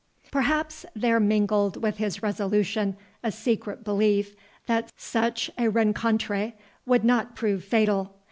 Perhaps there mingled with his resolution a secret belief that such a rencontre would not prove fatal.